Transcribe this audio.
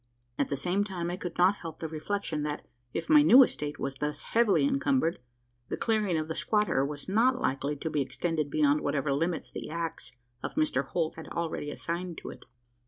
At the same time I could not help the reflection, that, if my new estate was thus heavily encumbered, the clearing of the squatter was not likely to be extended beyond whatever limits the axe of Mr Holt had already assigned to it.